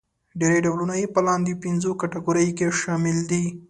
ډېری ډولونه يې په لاندې پنځو کټګوریو کې شامل دي.